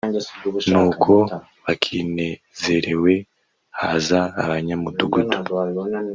nuko bakinezerewe haza abanyamudugudu